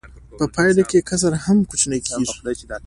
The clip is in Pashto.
په پایله کې کسر هم کوچنی کېږي